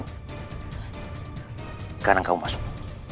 sekarang kamu masuk